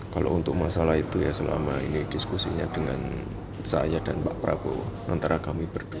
kalau untuk masalah itu ya selama ini diskusinya dengan saya dan pak prabowo antara kami berdua